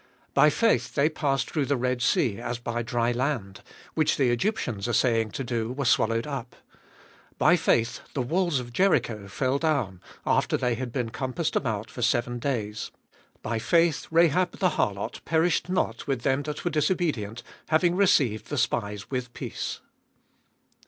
29. By faith they passed through the Red Sea as by dry land: which the Egyptians assaying to do were swallowed up. 30. By faith the walls of Jericho fell down, after they had been compassed about for seven days. 31. By faith Rahab the harlot perished not with them that were dis obedient, having received the spies with peace.